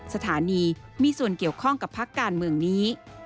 สถานีมีส่วนเกี่ยวข้องกับพักการเมืองนี้